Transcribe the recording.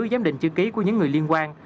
giám định chữ ký của những người liên quan